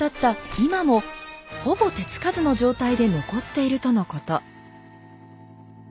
今もほぼ手つかずの状態で残っているとのこと。